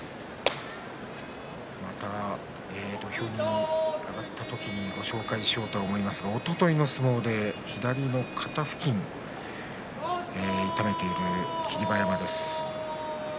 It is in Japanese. また土俵に上がった時にご紹介しようと思いますがおとといの相撲で左の肩付近を痛めている霧馬山です。